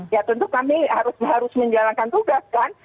ya tentu kami harus menjalankan tugas kan